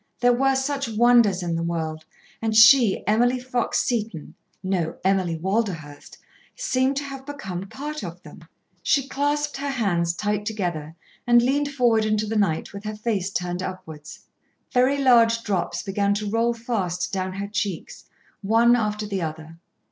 There were such wonders in the world, and she, Emily Fox Seton, no, Emily Walderhurst, seemed to have become part of them. She clasped her hands tight together and leaned forward into the night with her face turned upwards. Very large drops began to roll fast down her cheeks, one after the other.